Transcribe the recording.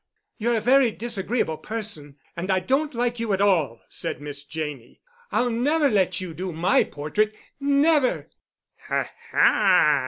"You're a very disagreeable person, and I don't like you at all," said Miss Janney. "I'll never let you do my portrait—never!" "Ha! ha!"